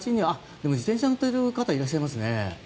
でも自転車に乗っている方いらっしゃいますね。